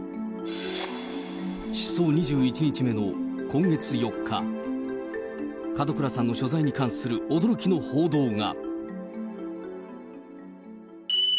失踪２１日目の今月４日、門倉さんの所在に関する驚きの報道が。